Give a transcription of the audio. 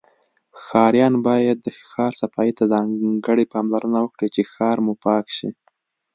ښاریان باید د شار صفایی ته ځانګړی پاملرنه وکړی چی ښه موپاک شی